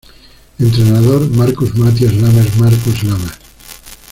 Entrenador: Marcos Mathias Lammers-Marcos Lammers